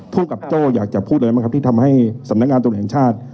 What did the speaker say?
กับโจ้อยากจะพูดอะไรบ้างครับที่ทำให้สำนักงานตรวจแห่งชาติ